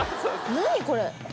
何これ？